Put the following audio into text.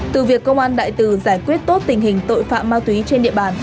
từ việc công an đại từ giải quyết tốt tình hình tội phạm ma túy trên địa bàn